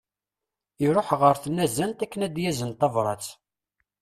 Iruḥ ɣer tnazzant akken ad yazen tabrat.